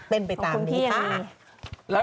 เป็นไปตามนี้ค่ะ